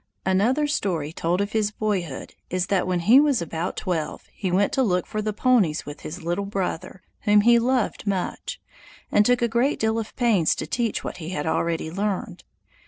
Another story told of his boyhood is that when he was about twelve he went to look for the ponies with his little brother, whom he loved much, and took a great deal of pains to teach what he had already learned.